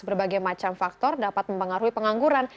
berbagai macam faktor dapat mempengaruhi pengangguran